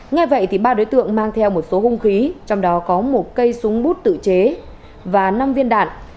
nghe vậy thì ba đối tượng mang theo một số hung khí trong đó có một cây súng bút tự chế và năm viên đạn